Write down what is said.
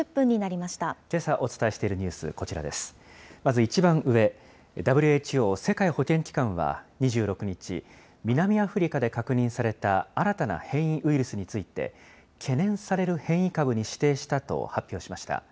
まず一番上、ＷＨＯ・世界保健機関は２６日、南アフリカで確認された新たな変異ウイルスについて、懸念される変異株に指定したと発表しました。